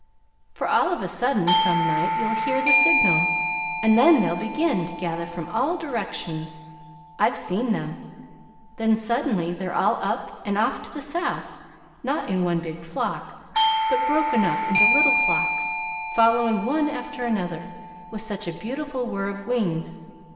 For, all of a sudden, some night, you'll hear the signal, and then they'll begin to gather from all directions. I've seen them. Then, suddenly, they're all up and off to the South not in one big flock, but broken up into little flocks, following one after another, with such a beautiful whir of wings.